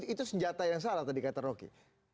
itu senjata yang salah tadi kata rocky